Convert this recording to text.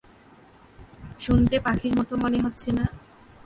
শুনতে পাখির মতো মনে হচ্ছে না।